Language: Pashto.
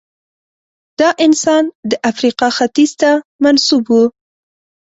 دا انسان د افریقا ختیځ ته منسوب و.